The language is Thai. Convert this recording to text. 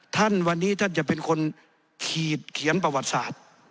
ท่านวันนี้ท่านจะเป็นคนขีดเขียนประวัติศาสตร์